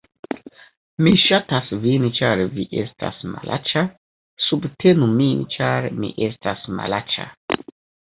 Mi ŝatas vin ĉar vi estas malaĉa subtenu min ĉar mi estas malaĉa